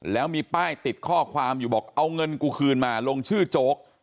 แล้วมีป้ายติดข้อความอยู่บอกเอาเงินกูคืนมาลงชื่อโจ๊ก